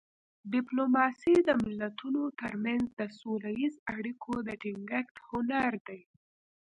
ډیپلوماسي د ملتونو ترمنځ د سوله اییزو اړیکو د ټینګښت هنر دی